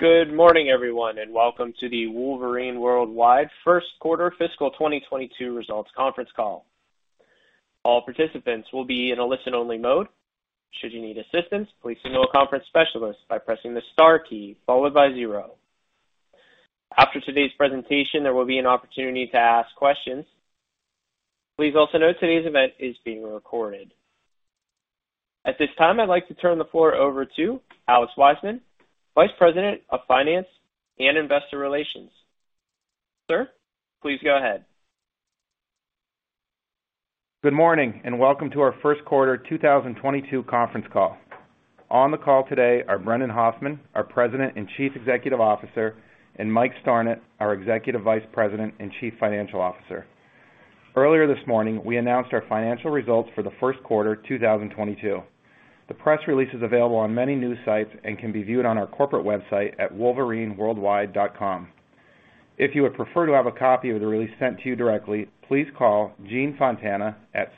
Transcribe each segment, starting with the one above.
Good morning, everyone, and welcome to the Wolverine World Wide First Quarter Fiscal 2022 Results Conference Call. All participants will be in a listen-only mode. Should you need assistance, please signal a conference specialist by pressing the star key followed by zero. After today's presentation, there will be an opportunity to ask questions. Please also note today's event is being recorded. At this time, I'd like to turn the floor over to Alex Wiseman, Vice President of Finance and Investor Relations. Sir, please go ahead. Good morning and welcome to our first quarter 2022 conference call. On the call today are Brendan Hoffman, our President and Chief Executive Officer, and Mike Stornant, our Executive Vice President and Chief Financial Officer. Earlier this morning, we announced our financial results for the first quarter 2022. The press release is available on many news sites and can be viewed on our corporate website at wolverineworldwide.com. If you would prefer to have a copy of the release sent to you directly, please call Gene Fontana at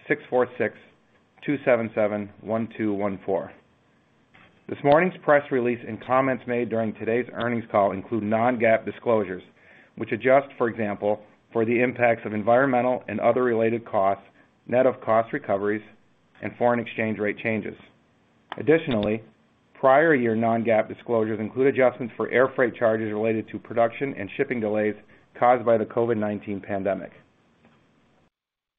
646-277-1214. This morning's press release and comments made during today's earnings call include non-GAAP disclosures, which adjust, for example, for the impacts of environmental and other related costs, net of cost recoveries and foreign exchange rate changes. Additionally, prior year non-GAAP disclosures include adjustments for air freight charges related to production and shipping delays caused by the COVID-19 pandemic.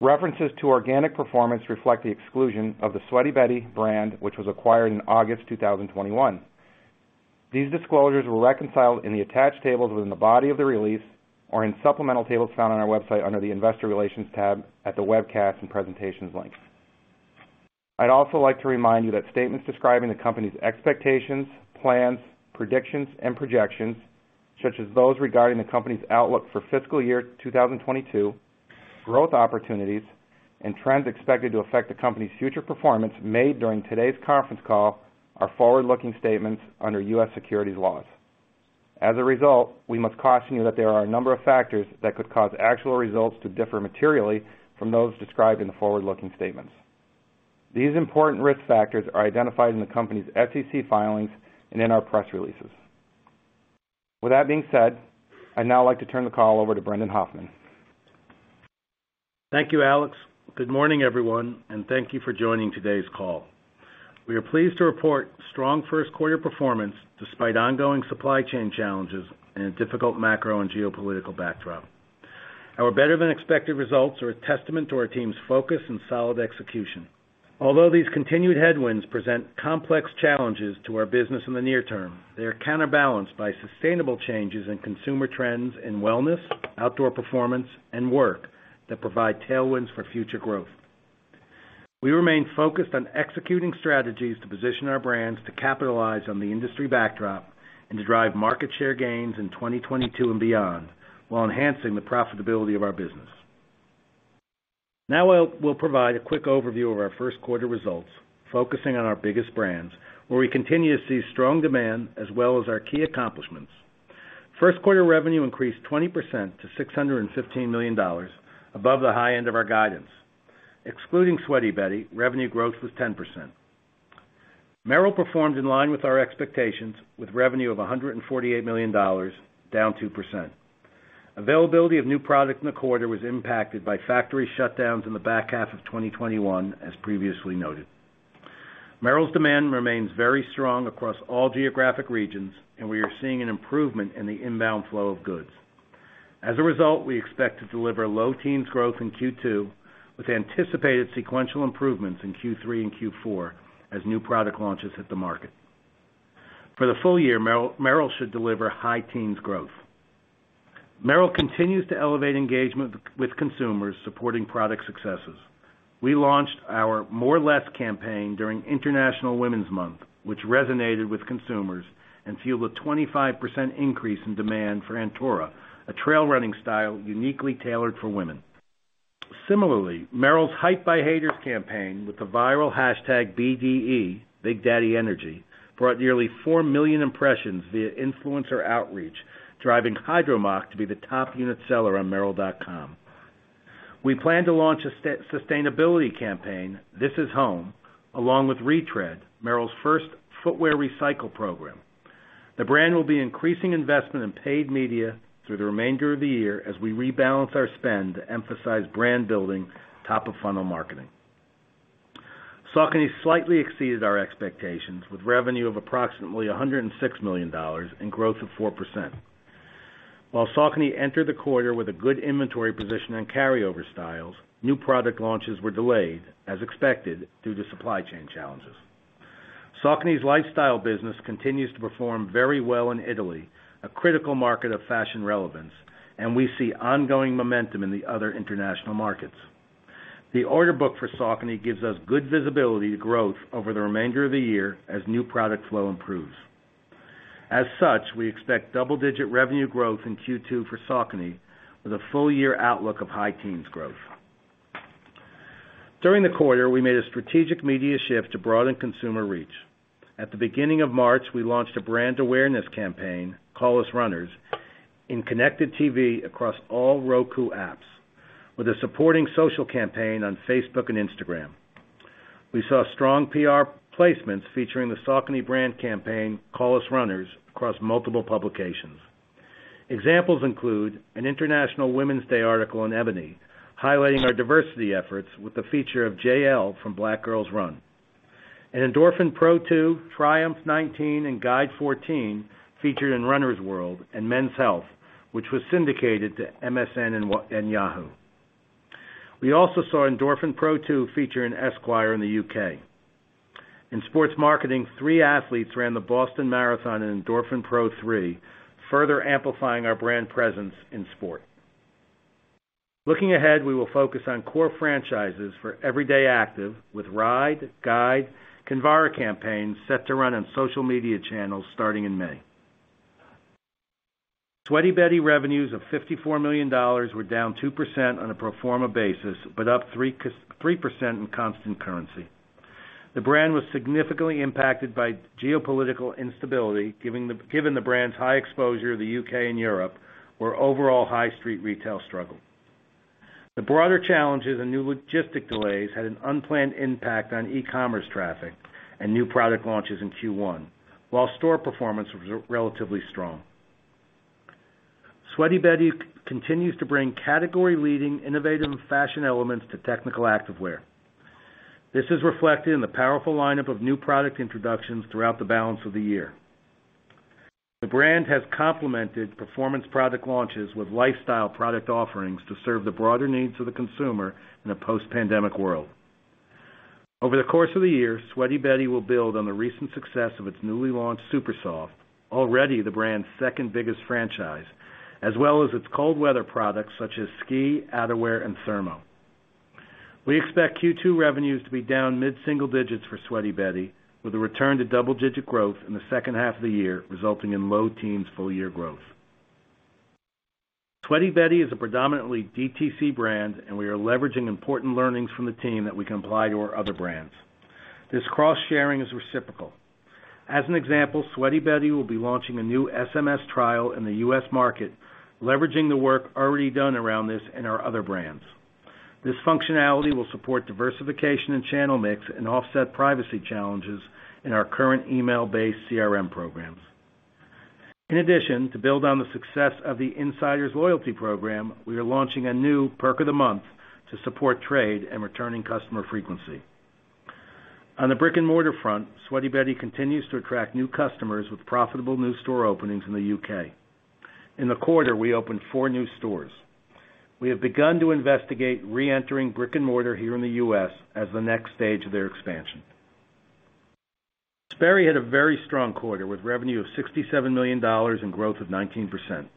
References to organic performance reflect the exclusion of the Sweaty Betty brand, which was acquired in August 2021. These disclosures were reconciled in the attached tables within the body of the release or in supplemental tables found on our website under the Investor Relations tab at the Webcasts and Presentations link. I'd also like to remind you that statements describing the company's expectations, plans, predictions, and projections, such as those regarding the company's outlook for fiscal year 2022, growth opportunities, and trends expected to affect the company's future performance made during today's conference call are forward-looking statements under US securities laws. As a result, we must caution you that there are a number of factors that could cause actual results to differ materially from those described in the forward-looking statements. These important risk factors are identified in the company's SEC filings and in our press releases. With that being said, I'd now like to turn the call over to Brendan Hoffman. Thank you, Alex. Good morning, everyone, and thank you for joining today's call. We are pleased to report strong first quarter performance despite ongoing supply chain challenges and a difficult macro and geopolitical backdrop. Our better than expected results are a testament to our team's focus and solid execution. Although these continued headwinds present complex challenges to our business in the near term, they are counterbalanced by sustainable changes in consumer trends in wellness, outdoor performance, and work that provide tailwinds for future growth. We remain focused on executing strategies to position our brands to capitalize on the industry backdrop and to drive market share gains in 2022 and beyond while enhancing the profitability of our business. Now we'll provide a quick overview of our first quarter results, focusing on our biggest brands, where we continue to see strong demand, as well as our key accomplishments. First quarter revenue increased 20% to $615 million, above the high end of our guidance. Excluding Sweaty Betty, revenue growth was 10%. Merrell performed in line with our expectations with revenue of $148 million, down 2%. Availability of new product in the quarter was impacted by factory shutdowns in the back half of 2021, as previously noted. Merrell's demand remains very strong across all geographic regions, and we are seeing an improvement in the inbound flow of goods. As a result, we expect to deliver low teens growth in Q2 with anticipated sequential improvements in Q3-Q4 as new product launches hit the market. For the full year, Merrell should deliver high teens growth. Merrell continues to elevate engagement with consumers supporting product successes. We launched our More Less campaign during International Women's Month, which resonated with consumers and fueled a 25% increase in demand for Antora, a trail running style uniquely tailored for women. Similarly, Merrell's Hyped by Haters campaign with the viral hashtag BDE, Big Daddy Energy, brought nearly four million impressions via influencer outreach, driving Hydro Moc to be the top unit seller on merrell.com. We plan to launch a sustainability campaign, This Is Home, along with ReTread, Merrell's first footwear recycling program. The brand will be increasing investment in paid media through the remainder of the year as we rebalance our spend to emphasize brand building, top of funnel marketing. Saucony slightly exceeded our expectations with revenue of approximately $106 million and growth of 4%. While Saucony entered the quarter with a good inventory position and carryover styles, new product launches were delayed as expected due to supply chain challenges. Saucony's lifestyle business continues to perform very well in Italy, a critical market of fashion relevance, and we see ongoing momentum in the other international markets. The order book for Saucony gives us good visibility to growth over the remainder of the year as new product flow improves. As such, we expect double-digit revenue growth in Q2 for Saucony with a full year outlook of high teens growth. During the quarter, we made a strategic media shift to broaden consumer reach. At the beginning of March, we launched a brand awareness campaign, Call Us Runners, in connected TV across all Roku apps with a supporting social campaign on Facebook and Instagram. We saw strong PR placements featuring the Saucony brand campaign Call Us Runners across multiple publications. Examples include an International Women's Day article in Ebony highlighting our diversity efforts with the feature of JL from Black Girls RUN. An Endorphin Pro two, Triumph 19, and Guide 14 featured in Runner's World and Men's Health, which was syndicated to MSN and Yahoo. We also saw Endorphin Pro two feature in Esquire in the UK. In sports marketing, three athletes ran the Boston Marathon in Endorphin Pro three, further amplifying our brand presence in sport. Looking ahead, we will focus on core franchises for everyday active with Ride, Guide, Kinvara campaigns set to run on social media channels starting in May. Sweaty Betty revenues of $54 million were down 2% on a pro forma basis, but up 3% in constant currency. The brand was significantly impacted by geopolitical instability, given the brand's high exposure to the UK and Europe, where overall high street retail struggled. The broader challenges and new logistic delays had an unplanned impact on e-commerce traffic and new product launches in Q1, while store performance was relatively strong. Sweaty Betty continues to bring category-leading innovative fashion elements to technical activewear. This is reflected in the powerful lineup of new product introductions throughout the balance of the year. The brand has complemented performance product launches with lifestyle product offerings to serve the broader needs of the consumer in a post-pandemic world. Over the course of the year, Sweaty Betty will build on the recent success of its newly launched Super Soft, already the brand's second biggest franchise, as well as its cold weather products such as ski, outerwear, and thermo. We expect Q2 revenues to be down mid-single digits for Sweaty Betty, with a return to double-digit growth in the second half of the year, resulting in low teens full year growth. Sweaty Betty is a predominantly DTC brand, and we are leveraging important learnings from the team that we can apply to our other brands. This cross-sharing is reciprocal. As an example, Sweaty Betty will be launching a new SMS trial in the US market, leveraging the work already done around this in our other brands. This functionality will support diversification in channel mix and offset privacy challenges in our current email-based CRM programs. In addition, to build on the success of the Insiders loyalty program, we are launching a new perk of the month to support trade and returning customer frequency. On the brick-and-mortar front, Sweaty Betty continues to attract new customers with profitable new store openings in the UK. In the quarter, we opened four new stores. We have begun to investigate re-entering brick-and-mortar here in the US as the next stage of their expansion. Sperry had a very strong quarter, with revenue of $67 million and growth of 19%.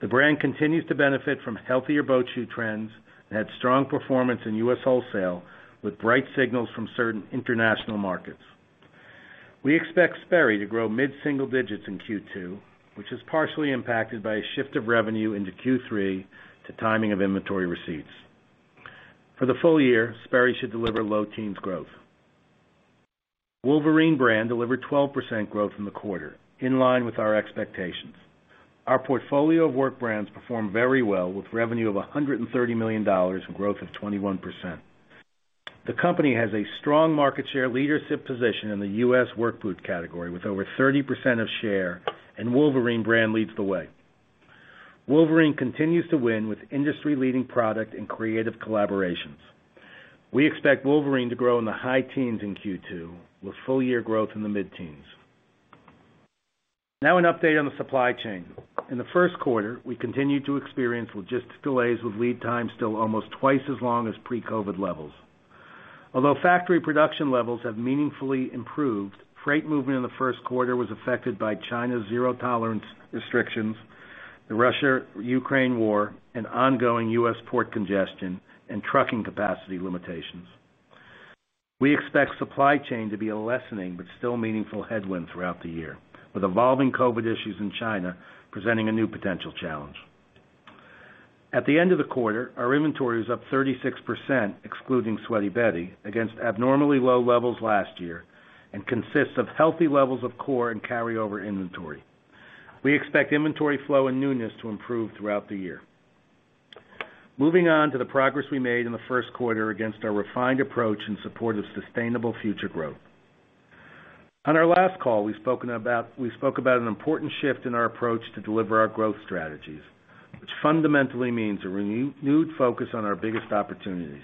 The brand continues to benefit from healthier boat shoe trends, and had strong performance in US wholesale, with bright signals from certain international markets. We expect Sperry to grow mid-single digits in Q2, which is partially impacted by a shift of revenue into Q3 to timing of inventory receipts. For the full year, Sperry should deliver low teens growth. Wolverine brand delivered 12% growth in the quarter, in line with our expectations. Our portfolio of work brands performed very well, with revenue of $130 million and growth of 21%. The company has a strong market share leadership position in the US work boot category with over 30% of share, and Wolverine brand leads the way. Wolverine continues to win with industry-leading product and creative collaborations. We expect Wolverine to grow in the high teens in Q2, with full year growth in the mid-teens. Now an update on the supply chain. In the first quarter, we continued to experience logistics delays with lead time still almost twice as long as pre-COVID levels. Although factory production levels have meaningfully improved, freight movement in the first quarter was affected by China's zero tolerance restrictions, the Russia-Ukraine war, and ongoing US port congestion and trucking capacity limitations. We expect supply chain to be a lessening but still meaningful headwind throughout the year, with evolving COVID issues in China presenting a new potential challenge. At the end of the quarter, our inventory was up 36%, excluding Sweaty Betty, against abnormally low levels last year, and consists of healthy levels of core and carryover inventory. We expect inventory flow and newness to improve throughout the year. Moving on to the progress we made in the first quarter against our refined approach in support of sustainable future growth. On our last call, we spoke about an important shift in our approach to deliver our growth strategies, which fundamentally means a renewed focus on our biggest opportunities.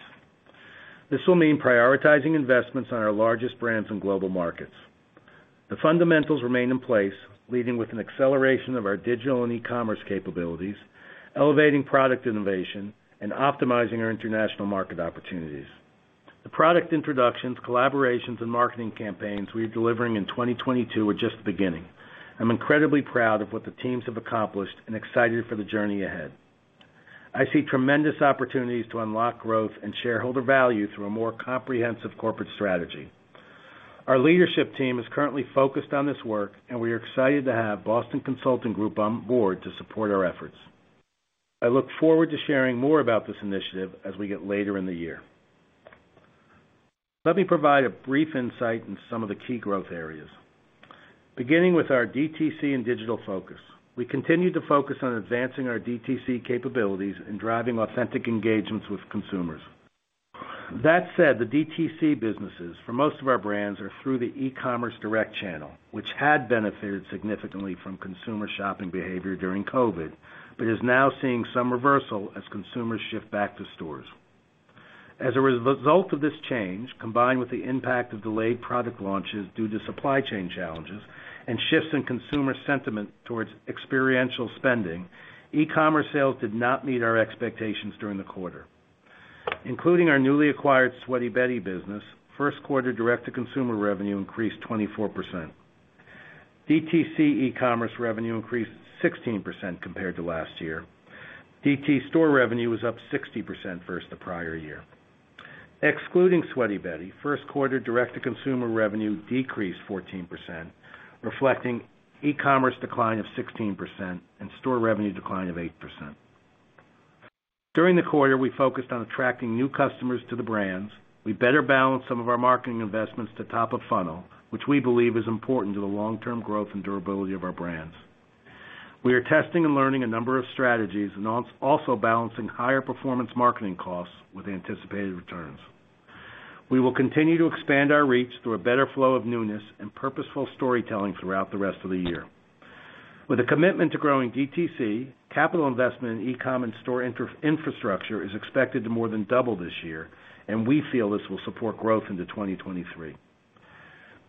This will mean prioritizing investments on our largest brands in global markets. The fundamentals remain in place, leading with an acceleration of our digital and e-commerce capabilities, elevating product innovation, and optimizing our international market opportunities. The product introductions, collaborations, and marketing campaigns we're delivering in 2022 are just the beginning. I'm incredibly proud of what the teams have accomplished and excited for the journey ahead. I see tremendous opportunities to unlock growth and shareholder value through a more comprehensive corporate strategy. Our leadership team is currently focused on this work, and we are excited to have Boston Consulting Group on board to support our efforts. I look forward to sharing more about this initiative as we get later in the year. Let me provide a brief insight into some of the key growth areas. Beginning with our DTC and digital focus. We continue to focus on advancing our DTC capabilities and driving authentic engagements with consumers. That said, the DTC businesses for most of our brands are through the e-commerce direct channel, which had benefited significantly from consumer shopping behavior during COVID, but is now seeing some reversal as consumers shift back to stores. As a result of this change, combined with the impact of delayed product launches due to supply chain challenges and shifts in consumer sentiment towards experiential spending, e-commerce sales did not meet our expectations during the quarter. Including our newly acquired Sweaty Betty business, first quarter direct-to-consumer revenue increased 24%. DTC e-commerce revenue increased 16% compared to last year. DTC store revenue was up 60% versus the prior year. Excluding Sweaty Betty, first quarter direct-to-consumer revenue decreased 14%, reflecting e-commerce decline of 16% and store revenue decline of 8%. During the quarter, we focused on attracting new customers to the brands. We better balanced some of our marketing investments to top of funnel, which we believe is important to the long-term growth and durability of our brands. We are testing and learning a number of strategies and also balancing higher performance marketing costs with anticipated returns. We will continue to expand our reach through a better flow of newness and purposeful storytelling throughout the rest of the year. With a commitment to growing DTC, capital investment in e-com and store infrastructure is expected to more than double this year, and we feel this will support growth into 2023.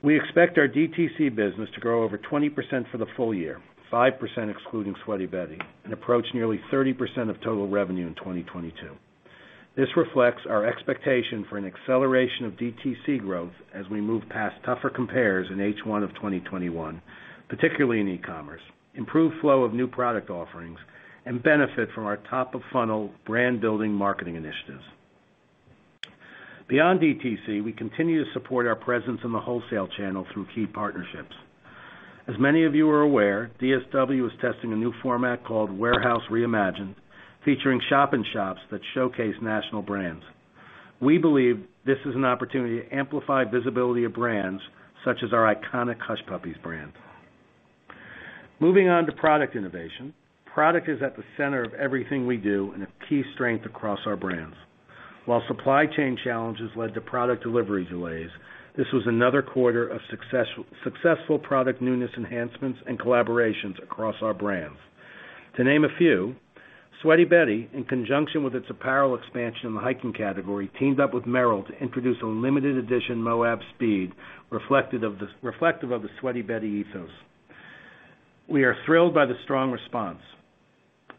We expect our DTC business to grow over 20% for the full year, 5% excluding Sweaty Betty, and approach nearly 30% of total revenue in 2022. This reflects our expectation for an acceleration of DTC growth as we move past tougher compares in H1 of 2021, particularly in e-commerce, improve flow of new product offerings, and benefit from our top of funnel brand building marketing initiatives. Beyond DTC, we continue to support our presence in the wholesale channel through key partnerships. As many of you are aware, DSW is testing a new format called Warehouse Reimagined, featuring shop in shops that showcase national brands. We believe this is an opportunity to amplify visibility of brands such as our iconic Hush Puppies brand. Moving on to product innovation. Product is at the center of everything we do and a key strength across our brands. While supply chain challenges led to product delivery delays, this was another quarter of successful product newness enhancements and collaborations across our brands. To name a few, Sweaty Betty, in conjunction with its apparel expansion in the hiking category, teamed up with Merrell to introduce a limited edition Moab Speed, reflective of the Sweaty Betty ethos. We are thrilled by the strong response.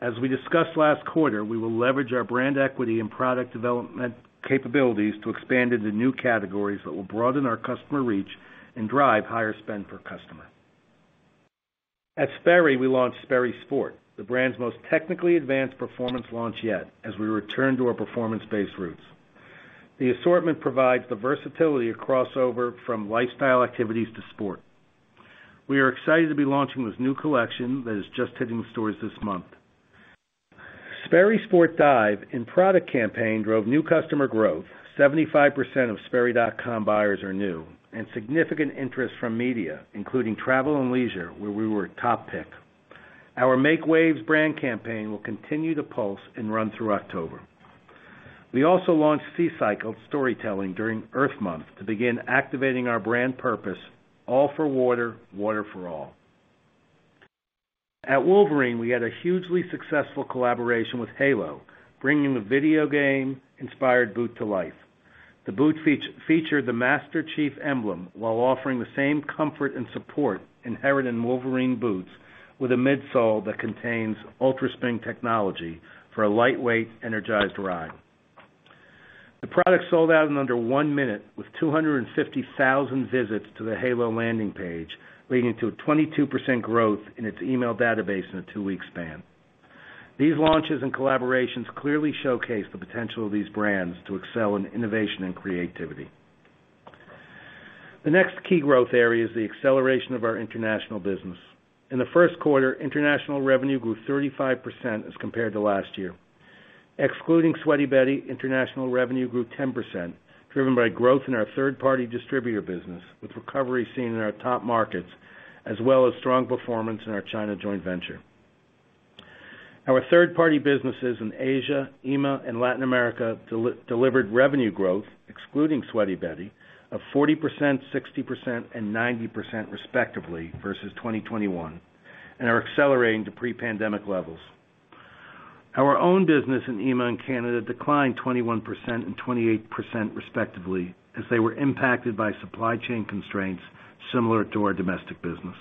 As we discussed last quarter, we will leverage our brand equity and product development capabilities to expand into new categories that will broaden our customer reach and drive higher spend per customer. At Sperry, we launched Sperry Sport, the brand's most technically advanced performance launch yet, as we return to our performance-based roots. The assortment provides the versatility of crossover from lifestyle activities to sport. We are excited to be launching this new collection that is just hitting stores this month. Sperry Sport Dive and product campaign drove new customer growth. 75% of Sperry.com buyers are new, and significant interest from media, including travel and leisure, where we were a top pick. Our Make Waves brand campaign will continue to pulse and run through October. We also launched SeaCycled storytelling during Earth Month to begin activating our brand purpose, all for water for all. At Wolverine, we had a hugely successful collaboration with Halo, bringing the video game-inspired boot to life. The boot featured the Master Chief emblem while offering the same comfort and support inherent in Wolverine boots with a midsole that contains UltraSpring technology for a lightweight, energized ride. The product sold out in under one minute, with 250,000 visits to the Halo landing page, leading to a 22% growth in its email database in a two-week span. These launches and collaborations clearly showcase the potential of these brands to excel in innovation and creativity. The next key growth area is the acceleration of our international business. In the first quarter, international revenue grew 35% as compared to last year. Excluding Sweaty Betty, international revenue grew 10%, driven by growth in our third-party distributor business, with recovery seen in our top markets, as well as strong performance in our China joint venture. Our third-party businesses in Asia, EMEA, and Latin America delivered revenue growth, excluding Sweaty Betty, of 40%, 60%, and 90% respectively versus 2021 and are accelerating to pre-pandemic levels. Our own business in EMEA and Canada declined 21% and 28% respectively as they were impacted by supply chain constraints similar to our domestic business.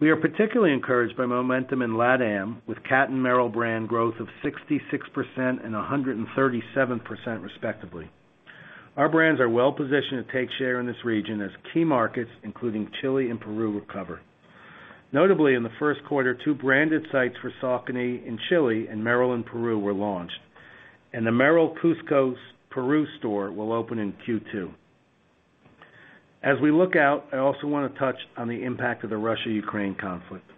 We are particularly encouraged by momentum in LATAM with Cat and Merrell brand growth of 66% and 137% respectively. Our brands are well positioned to take share in this region as key markets, including Chile and Peru, recover. Notably, in the first quarter, two branded sites for Saucony in Chile and Merrell in Peru were launched, and the Merrell Cusco, Peru store will open in Q2. As we look out, I also wanna touch on the impact of the Russia-Ukraine conflict.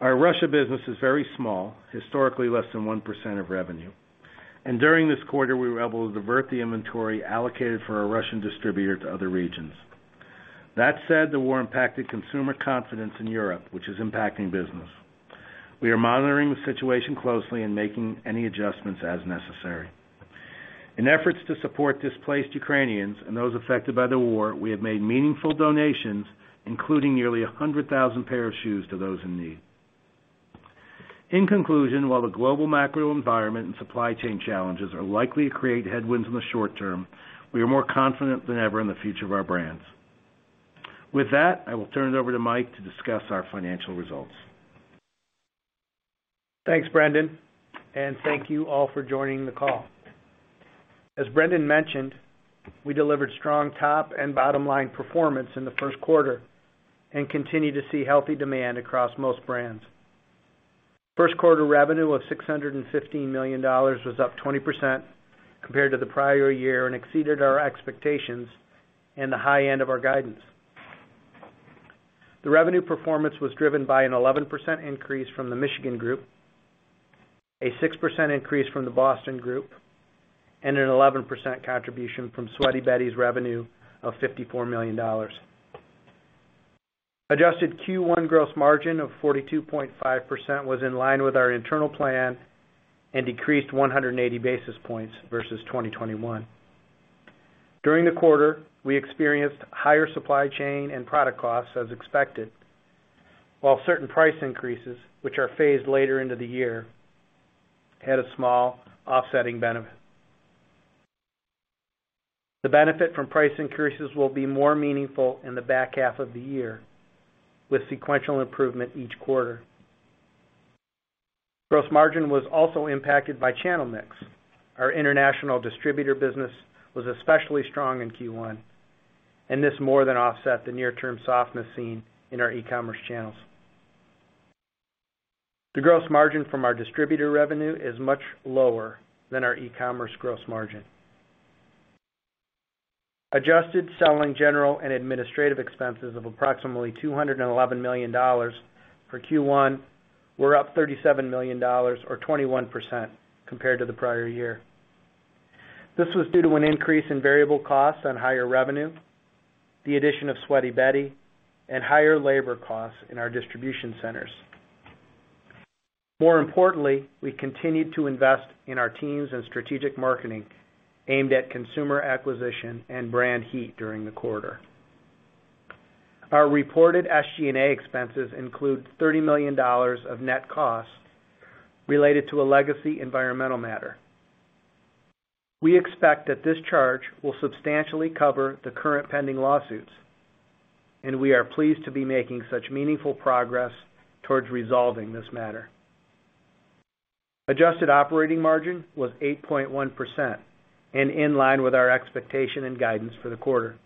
Our Russia business is very small, historically less than 1% of revenue. During this quarter, we were able to divert the inventory allocated for our Russian distributor to other regions. That said, the war impacted consumer confidence in Europe, which is impacting business. We are monitoring the situation closely and making any adjustments as necessary. In efforts to support displaced Ukrainians and those affected by the war, we have made meaningful donations, including nearly 100,000 pair of shoes to those in need. In conclusion, while the global macro environment and supply chain challenges are likely to create headwinds in the short term, we are more confident than ever in the future of our brands. With that, I will turn it over to Mike to discuss our financial results. Thanks, Brendan, and thank you all for joining the call. As Brendan mentioned, we delivered strong top and bottom-line performance in the first quarter and continue to see healthy demand across most brands. First quarter revenue of $615 million was up 20% compared to the prior year and exceeded our expectations in the high end of our guidance. The revenue performance was driven by an 11% increase from the Michigan Group, a 6% increase from the Boston Group, and an 11% contribution from Sweaty Betty's revenue of $54 million. Adjusted Q1 gross margin of 42.5% was in line with our internal plan and decreased 180 basis points versus 2021. During the quarter, we experienced higher supply chain and product costs as expected, while certain price increases, which are phased later into the year, had a small offsetting benefit. The benefit from price increases will be more meaningful in the back half of the year with sequential improvement each quarter. Gross margin was also impacted by channel mix. Our international distributor business was especially strong in Q1, and this more than offset the near-term softness seen in our e-commerce channels. The gross margin from our distributor revenue is much lower than our e-commerce gross margin. Adjusted selling, general and administrative expenses of approximately $211 million for Q1 were up $37 million or 21% compared to the prior year. This was due to an increase in variable costs on higher revenue, the addition of Sweaty Betty, and higher labor costs in our distribution centers. More importantly, we continued to invest in our teams and strategic marketing aimed at consumer acquisition and brand heat during the quarter. Our reported SG&A expenses include $30 million of net costs related to a legacy environmental matter. We expect that this charge will substantially cover the current pending lawsuits, and we are pleased to be making such meaningful progress towards resolving this matter. Adjusted operating margin was 8.1% and in line with our expectation and guidance for the quarter.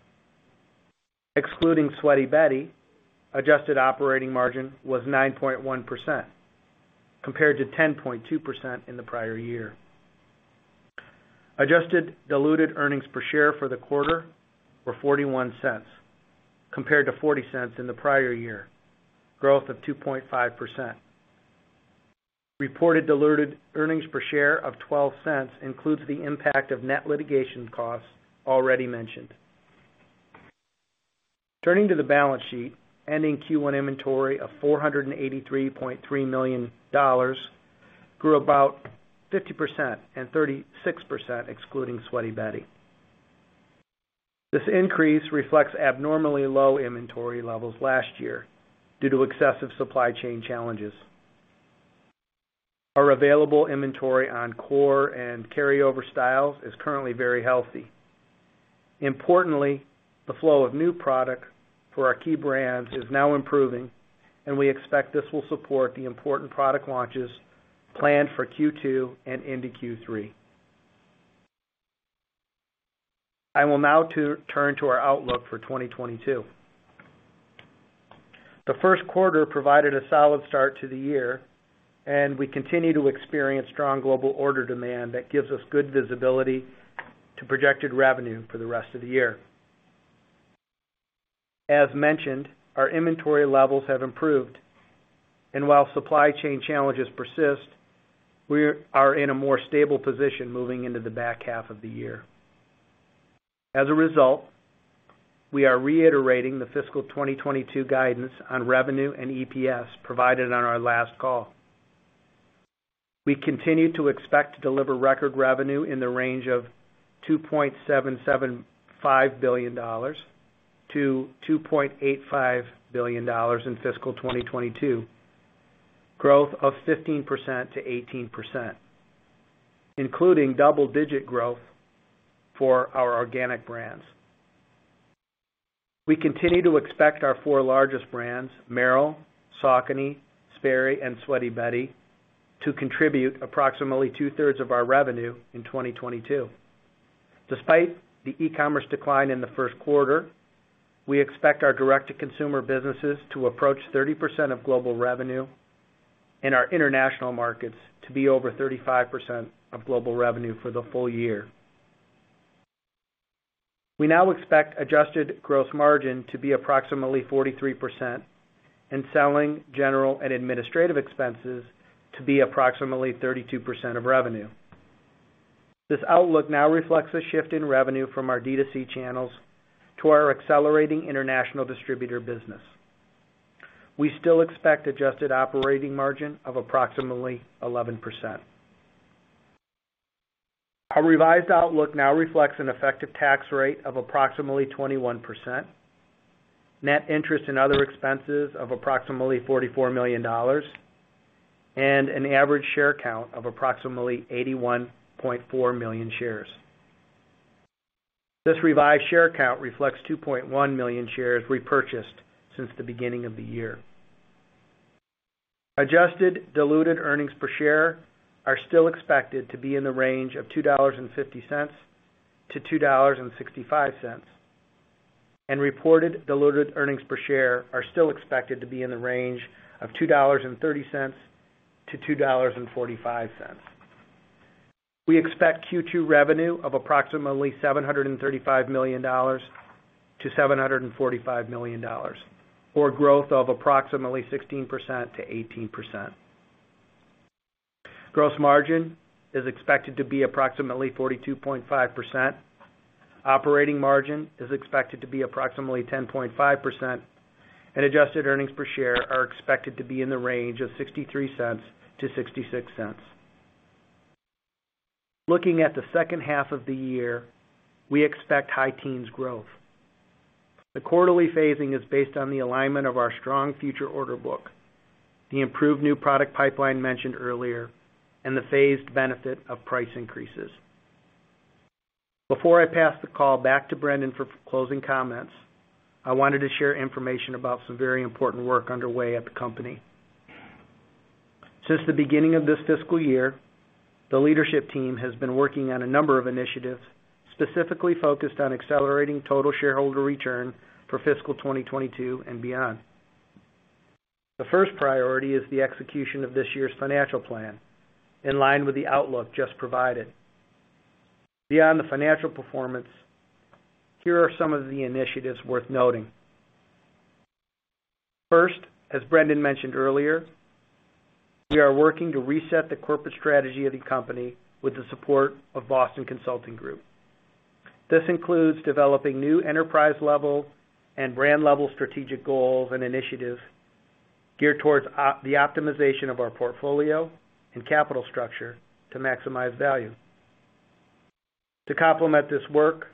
Excluding Sweaty Betty, adjusted operating margin was 9.1% compared to 10.2% in the prior year. Adjusted diluted earnings per share for the quarter were $0.41 compared to $0.40 in the prior year, growth of 2.5%. Reported diluted earnings per share of $0.12 includes the impact of net litigation costs already mentioned. Turning to the balance sheet, ending Q1 inventory of $483.3 million grew about 50% and 36% excluding Sweaty Betty. This increase reflects abnormally low inventory levels last year due to excessive supply chain challenges. Our available inventory on core and carryover styles is currently very healthy. Importantly, the flow of new product for our key brands is now improving, and we expect this will support the important product launches planned for Q2 and into Q3. I will now turn to our outlook for 2022. The first quarter provided a solid start to the year, and we continue to experience strong global order demand that gives us good visibility to projected revenue for the rest of the year. As mentioned, our inventory levels have improved, and while supply chain challenges persist, we are in a more stable position moving into the back half of the year. As a result, we are reiterating the fiscal 2022 guidance on revenue and EPS provided on our last call. We continue to expect to deliver record revenue in the range of $2.775 billion-$2.85 billion in fiscal 2022, growth of 15%-18%, including double-digit growth for our organic brands. We continue to expect our four largest brands, Merrell, Saucony, Sperry, and Sweaty Betty, to contribute approximately 2/3 of our revenue in 2022. Despite the e-commerce decline in the first quarter, we expect our direct-to-consumer businesses to approach 30% of global revenue and our international markets to be over 35% of global revenue for the full year. We now expect adjusted gross margin to be approximately 43% and selling, general, and administrative expenses to be approximately 32% of revenue. This outlook now reflects a shift in revenue from our D2C channels to our accelerating international distributor business. We still expect adjusted operating margin of approximately 11%. Our revised outlook now reflects an effective tax rate of approximately 21%, net interest and other expenses of approximately $44 million, and an average share count of approximately 81.4 million shares. This revised share count reflects 2.1 million shares repurchased since the beginning of the year. Adjusted diluted earnings per share are still expected to be in the range of $2.50-$2.65, and reported diluted earnings per share are still expected to be in the range of $2.30-$2.45. We expect Q2 revenue of approximately $735 million-$745 million, or growth of approximately 16%-18%. Gross margin is expected to be approximately 42.5%. Operating margin is expected to be approximately 10.5%, and adjusted earnings per share are expected to be in the range of $0.63-$0.66. Looking at the second half of the year, we expect high teens growth. The quarterly phasing is based on the alignment of our strong future order book, the improved new product pipeline mentioned earlier, and the phased benefit of price increases. Before I pass the call back to Brendan for final closing comments, I wanted to share information about some very important work underway at the company. Since the beginning of this fiscal year, the leadership team has been working on a number of initiatives specifically focused on accelerating total shareholder return for fiscal 2022 and beyond. The first priority is the execution of this year's financial plan in line with the outlook just provided. Beyond the financial performance, here are some of the initiatives worth noting. First, as Brendan mentioned earlier, we are working to reset the corporate strategy of the company with the support of Boston Consulting Group. This includes developing new enterprise level and brand level strategic goals and initiatives geared towards the optimization of our portfolio and capital structure to maximize value. To complement this work,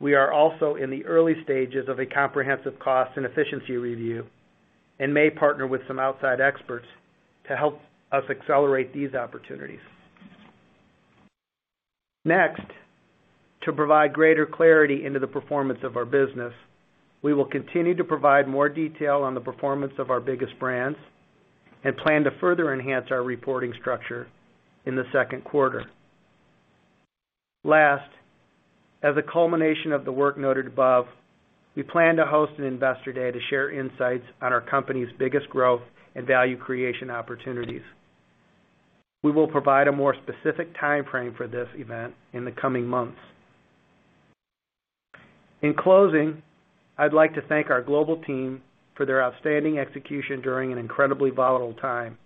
we are also in the early stages of a comprehensive cost and efficiency review and may partner with some outside experts to help us accelerate these opportunities. Next, to provide greater clarity into the performance of our business, we will continue to provide more detail on the performance of our biggest brands and plan to further enhance our reporting structure in the second quarter. Last, as a culmination of the work noted above, we plan to host an investor day to share insights on our company's biggest growth and value creation opportunities. We will provide a more specific timeframe for this event in the coming months. In closing, I'd like to thank our global team for their outstanding execution during an incredibly volatile time.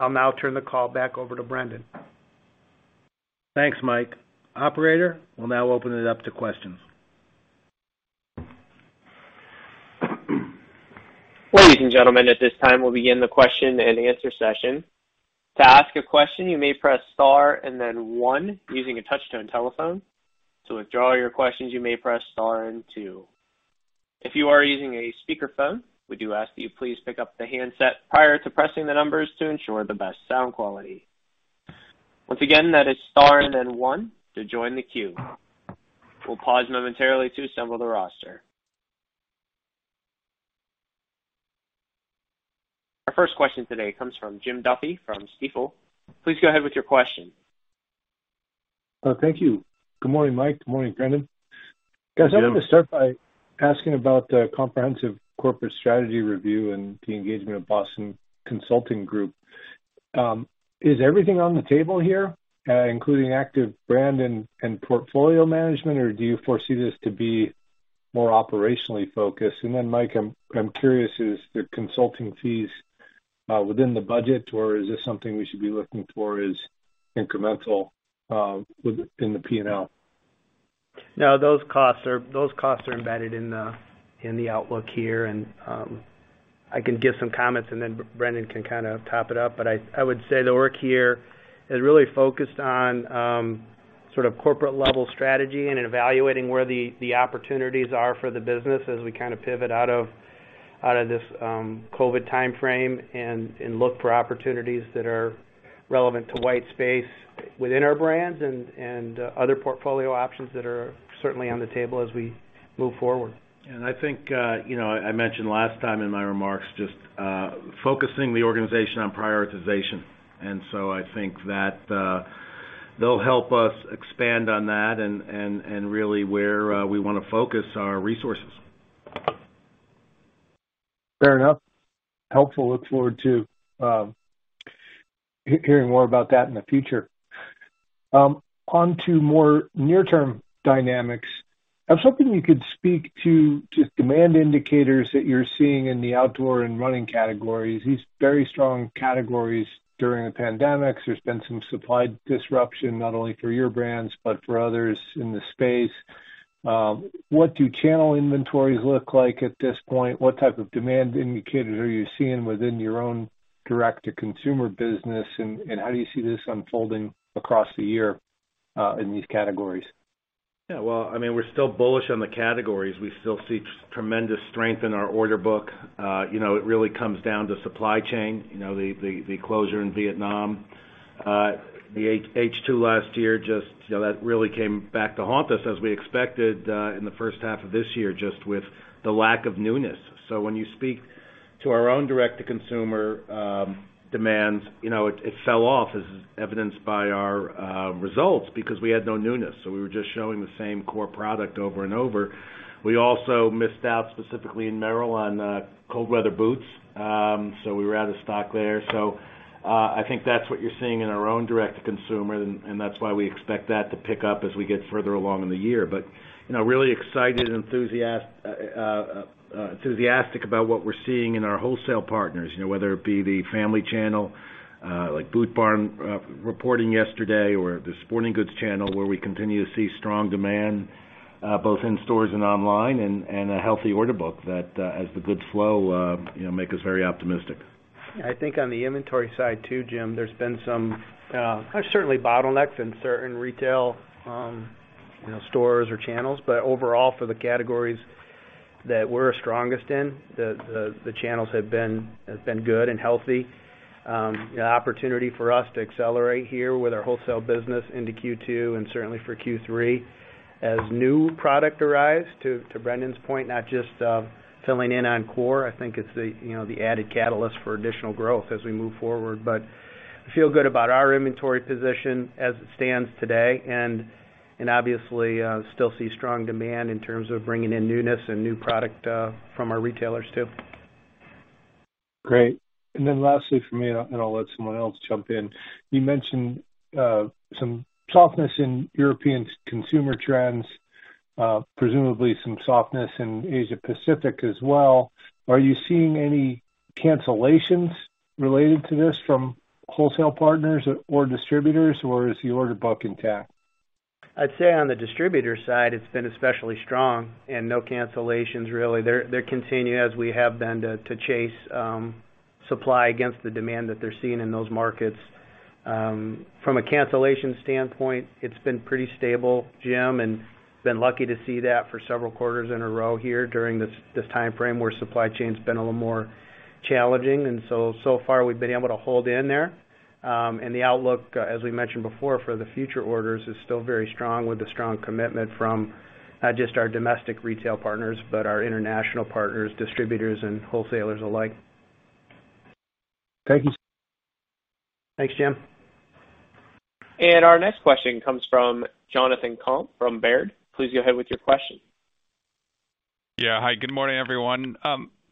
I'll now turn the call back over to Brendan. Thanks, Mike. Operator, we'll now open it up to questions. Ladies and gentlemen, at this time, we'll begin the question-and-answer session. To ask a question, you may press star and then one using a touch-tone telephone. To withdraw your questions, you may press star and two. If you are using a speakerphone, we do ask that you please pick up the handset prior to pressing the numbers to ensure the best sound quality. Once again, that is star and then one to join the queue. We'll pause momentarily to assemble the roster. Our first question today comes from Jim Duffy from Stifel. Please go ahead with your question. Thank you. Good morning, Mike. Good morning, Brendan. Good morning. Guys, I want to start by asking about the comprehensive corporate strategy review and the engagement of Boston Consulting Group. Is everything on the table here, including active brand and portfolio management, or do you foresee this to be more operationally focused? Mike, I'm curious, is the consulting fees within the budget, or is this something we should be looking for as incremental in the P&L? No, those costs are embedded in the outlook here, and I can give some comments, and then Brendan can kind of top it up. I would say the work here is really focused on sort of corporate level strategy and evaluating where the opportunities are for the business as we kind of pivot out of this COVID timeframe and other portfolio options that are certainly on the table as we move forward. I think, you know, I mentioned last time in my remarks just focusing the organization on prioritization. I think that, they'll help us expand on that and really where we wanna focus our resources. Fair enough. Helpful. Look forward to hearing more about that in the future. On to more near-term dynamics, I was hoping you could speak to just demand indicators that you're seeing in the outdoor and running categories. These very strong categories during the pandemic. There's been some supply disruption, not only for your brands, but for others in the space. What do channel inventories look like at this point? What type of demand indicators are you seeing within your own direct-to-consumer business, and how do you see this unfolding across the year in these categories? Yeah. Well, I mean, we're still bullish on the categories. We still see tremendous strength in our order book. You know, it really comes down to supply chain, you know, the closure in Vietnam. The H2 last year just, you know, that really came back to haunt us as we expected, in the first half of this year, just with the lack of newness. When you speak to our own direct-to-consumer demands, you know, it fell off as evidenced by our results because we had no newness. We were just showing the same core product over and over. We also missed out specifically in Merrell on cold weather boots. We were out of stock there. So, I think that's what you're seeing in our own direct-to-consumer and that's why we expect that to pick up as we get further along in the year. You know, really excited and enthusiastic about what we're seeing in our wholesale partners, you know, whether it be the family channel, like Boot Barn reporting yesterday or the sporting goods channel where we continue to see strong demand, both in stores and online and a healthy order book that, as the goods flow, you know, make us very optimistic. Yeah. I think on the inventory side too, Jim, there's been some certainly bottlenecks in certain retail, you know, stores or channels. Overall, for the categories that we're strongest in, the channels have been good and healthy. An opportunity for us to accelerate here with our wholesale business into Q2 and certainly for Q3 as new product arrives, to Brendan's point, not just filling in on core. I think it's the, you know, added catalyst for additional growth as we move forward. But I feel good about our inventory position as it stands today, and obviously still see strong demand in terms of bringing in newness and new product from our retailers too. Great. Then lastly from me, and then I'll let someone else jump in. You mentioned some softness in European consumer trends, presumably some softness in Asia Pacific as well. Are you seeing any cancellations related to this from wholesale partners or distributors, or is the order book intact? I'd say on the distributor side, it's been especially strong and no cancellations really. They're continuing as we have been to chase supply against the demand that they're seeing in those markets. From a cancellation standpoint, it's been pretty stable, Jim, and we've been lucky to see that for several quarters in a row here during this timeframe where supply chain's been a little more challenging. So far we've been able to hold in there. The outlook, as we mentioned before, for the future orders is still very strong with a strong commitment from not just our domestic retail partners, but our international partners, distributors, and wholesalers alike. Thank you. Thanks, Jim. Our next question comes from Jonathan Komp from Baird. Please go ahead with your question. Yeah. Hi, good morning, everyone.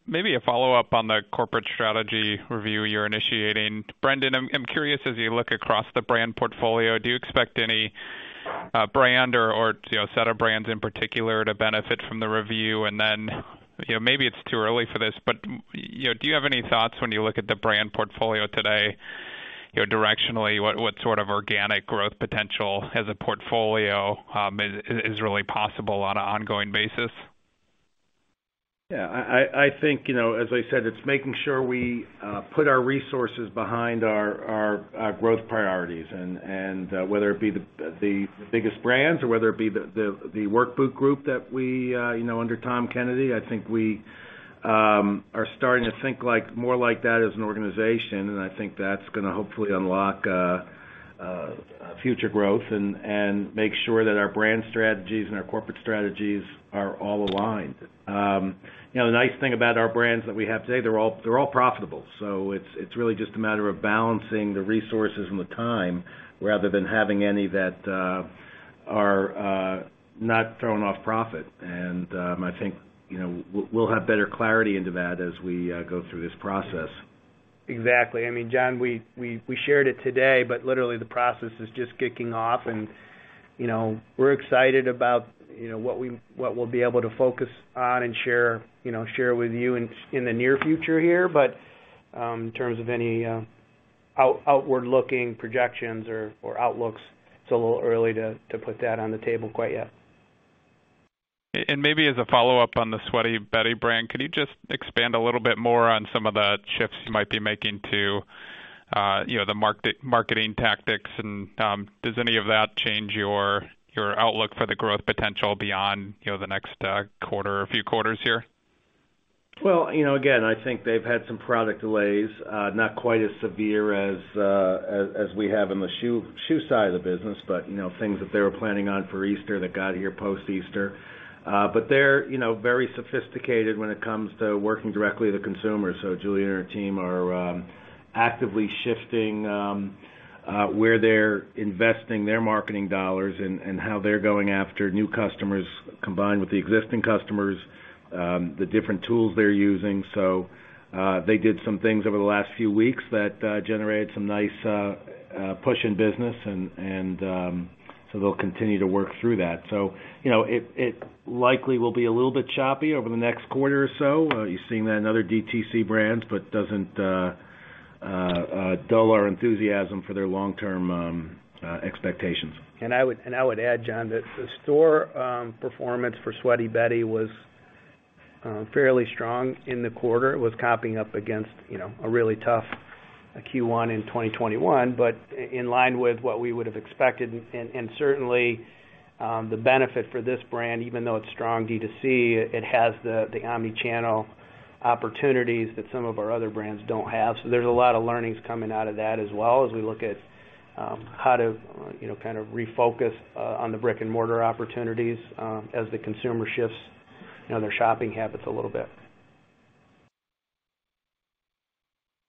Maybe a follow-up on the corporate strategy review you're initiating. Brendan, I'm curious, as you look across the brand portfolio, do you expect any brand or you know set of brands in particular to benefit from the review? You know, maybe it's too early for this, but, you know, do you have any thoughts when you look at the brand portfolio today, you know, directionally, what sort of organic growth potential as a portfolio is really possible on an ongoing basis? Yeah. I think, you know, as I said, it's making sure we put our resources behind our growth priorities. Whether it be the biggest brands or whether it be the work boot group that we, you know, under Tom Kennedy, I think we are starting to think like, more like that as an organization. I think that's gonna hopefully unlock future growth and make sure that our brand strategies and our corporate strategies are all aligned. You know, the nice thing about our brands that we have today, they're all profitable. It's really just a matter of balancing the resources and the time rather than having any that are not throwing off profit. I think, you know, we'll have better clarity into that as we go through this process. Exactly. I mean, John, we shared it today, but literally the process is just kicking off. You know, we're excited about, you know, what we'll be able to focus on and share, you know, with you in the near future here. In terms of any outward looking projections or outlooks, it's a little early to put that on the table quite yet. Maybe as a follow-up on the Sweaty Betty brand, could you just expand a little bit more on some of the shifts you might be making to, you know, the marketing tactics? Does any of that change your outlook for the growth potential beyond, you know, the next quarter or few quarters here? Well, you know, again, I think they've had some product delays, not quite as severe as we have in the shoe side of the business. You know, things that they were planning on for Easter that got here post Easter. They're, you know, very sophisticated when it comes to working directly with the consumer. Julia and her team are actively shifting where they're investing their marketing dollars and how they're going after new customers combined with the existing customers, the different tools they're using. They did some things over the last few weeks that generated some nice push in business and so they'll continue to work through that. You know, it likely will be a little bit choppy over the next quarter or so. You're seeing that in other DTC brands, but doesn't dull our enthusiasm for their long-term expectations. I would add, John, that the store performance for Sweaty Betty was fairly strong in the quarter. It was comping up against, you know, a really tough Q1 in 2021, but in line with what we would have expected. Certainly, the benefit for this brand, even though it's strong DTC, it has the omni-channel opportunities that some of our other brands don't have. So there's a lot of learnings coming out of that as well as we look at how to, you know, kind of refocus on the brick-and-mortar opportunities as the consumer shifts, you know, their shopping habits a little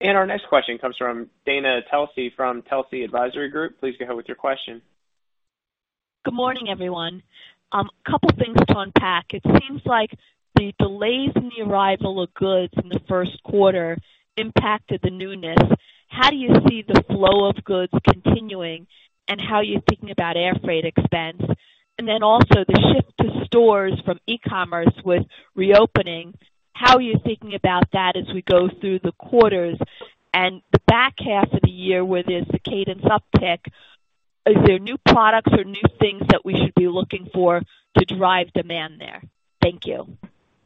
bit. Our next question comes from Dana Telsey from Telsey Advisory Group. Please go ahead with your question. Good morning everyone. Couple things to unpack. It seems like the delays in the arrival of goods in the first quarter impacted the newness. How do you see the flow of goods continuing, and how are you thinking about air freight expense? And then also, the shift to stores from e-commerce with reopening, how are you thinking about that as we go through the quarters? The back half of the year, where there's the cadence uptick, is there new products or new things that we should be looking for to drive demand there? Thank you.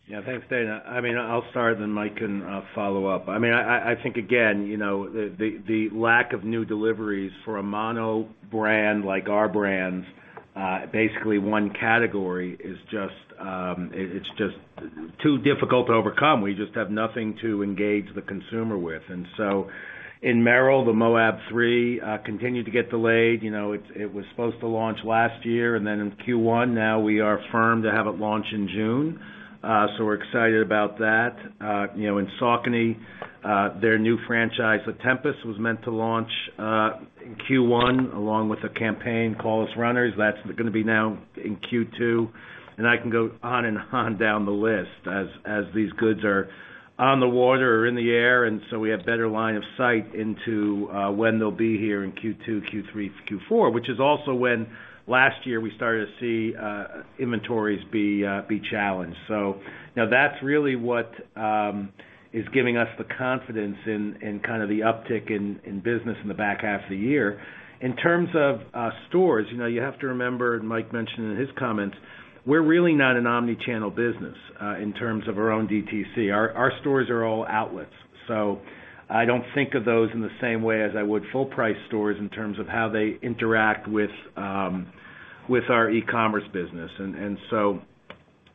Yeah. Thanks, Dana. I mean, I'll start, then Mike can follow-up. I mean, I think, again, you know, the lack of new deliveries for a mono brand like our brands, basically one category is just, it's just too difficult to overcome. We just have nothing to engage the consumer with. In Merrell, the Moab three continued to get delayed. You know, it was supposed to launch last year and then in Q1. Now we are firm to have it launch in June. So we're excited about that. You know, in Saucony, their new franchise, the Tempus, was meant to launch in Q1, along with a campaign, Call Us Runners. That's gonna be now in Q2. I can go on and on down the list as these goods are on the water or in the air, and so we have better line of sight into when they'll be here in Q2, Q3, Q4, which is also when last year we started to see inventories be challenged. Now that's really what is giving us the confidence in kind of the uptick in business in the back half of the year. In terms of stores, you know, you have to remember, and Mike mentioned in his comments, we're really not an omni-channel business in terms of our own DTC. Our stores are all outlets, so I don't think of those in the same way as I would full price stores in terms of how they interact with our e-commerce business. And so,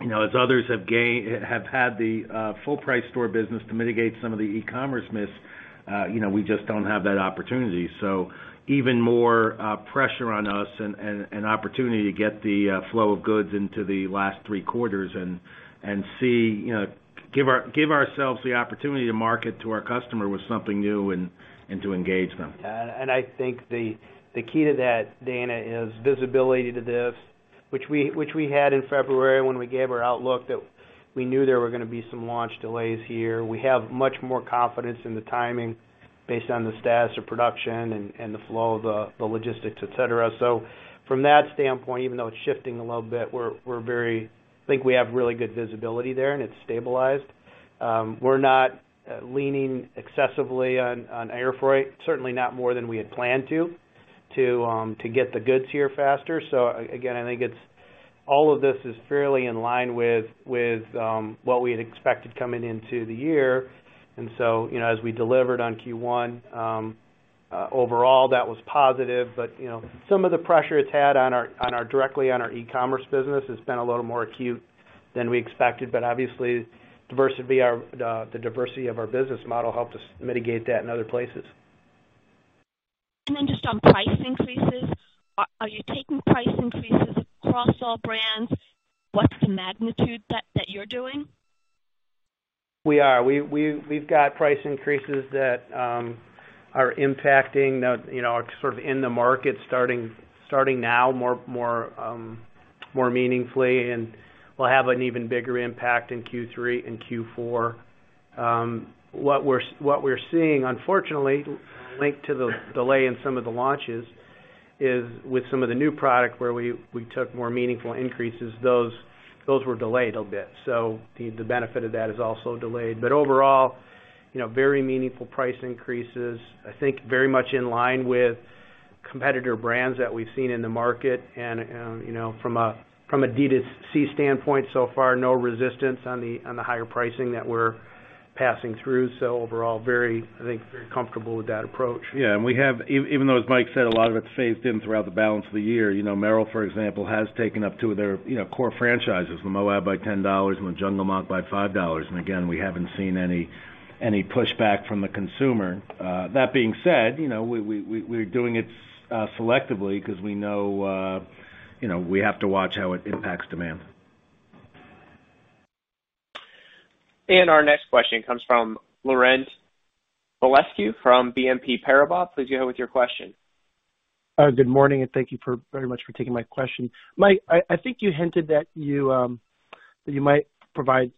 you know, as others have had the full price store business to mitigate some of the e-commerce miss, you know, we just don't have that opportunity. So, even more pressure on us and an opportunity to get the flow of goods into the last three quarters and see, you know, give ourselves the opportunity to market to our customer with something new and to engage them. I think the key to that, Dana, is visibility to this, which we had in February when we gave our outlook that we knew there were gonna be some launch delays here. We have much more confidence in the timing based on the status of production and the flow of the logistics, et cetera. From that standpoint, even though it's shifting a little bit, we think we have really good visibility there, and it's stabilized. We're not leaning excessively on air freight, certainly not more than we had planned to get the goods here faster. Again, I think it's all fairly in line with what we had expected coming into the year. You know, as we delivered on Q1 overall, that was positive. But you know, some of the pressure it's had directly on our e-commerce business has been a little more acute than we expected. But obviously, the diversity of our business model helped us mitigate that in other places. Just on price increases, are you taking price increases across all brands? What's the magnitude that you're doing? We've got price increases that are impacting that you know are sort of in the market starting now more meaningfully, and will have an even bigger impact in Q3 and Q4. What we're seeing, unfortunately, linked to the delay in some of the launches is with some of the new product where we took more meaningful increases. Those were delayed a bit, so the benefit of that is also delayed. Overall, you know, very meaningful price increases, I think very much in line with competitor brands that we've seen in the market. You know, from a DTC standpoint, so far, no resistance on the higher pricing that we're passing through. Overall, very, I think, very comfortable with that approach. Yeah. We have even though, as Mike said, a lot of it's phased in throughout the balance of the year, you know, Merrell, for example, has taken up two of their, you know, core franchises, the Moab by $10 and the Jungle Moc by $5. Again, we haven't seen any pushback from the consumer. That being said, you know, we're doing it selectively because we know, you know, we have to watch how it impacts demand. Our next question comes from Laurent Vasilescu from BNP Paribas. Please go ahead with your question. Good morning, and thank you very much for taking my question. Mike, I think you hinted that you might provide